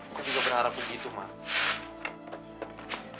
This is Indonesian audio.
aku juga berharap begitu mas